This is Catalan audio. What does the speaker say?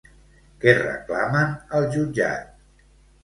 Què reclamen al jutjat?